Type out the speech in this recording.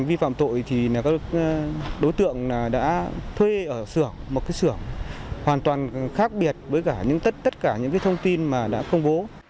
với tổng trị giá gần năm trăm linh triệu đồng